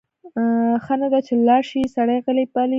ښه نه ده چې لاړ شی سړی غلی بلې خواته؟